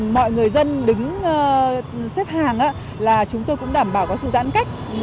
mọi người dân đứng xếp hàng là chúng tôi cũng đảm bảo có sự giãn cách